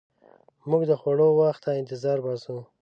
موږ د خوړو وخت ته انتظار باسو.